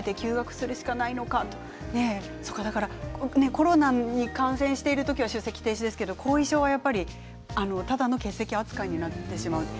コロナに感染している時は出席停止ですが後遺症はただの欠席扱いになってしまうと。